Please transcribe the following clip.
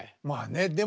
まあねえ